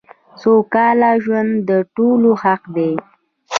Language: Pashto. سوکاله ژوند دټولو حق دی .